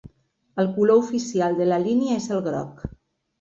El color oficial de la línia és el groc.